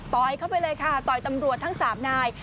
เข้าไปเลยค่ะต่อยตำรวจทั้ง๓นาย